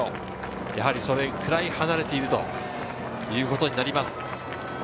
やはりそれくらい離れているということになります。